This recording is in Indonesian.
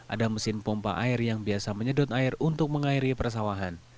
ada mesin pompa air yang biasa menyedot air untuk mengairi persawahan